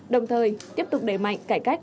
đồng thời tiếp tục đẩy mạnh cải cách